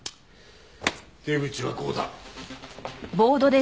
手口はこうだ。